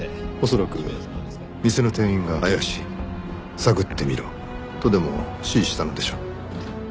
恐らく店の店員が怪しい探ってみろとでも指示したのでしょう。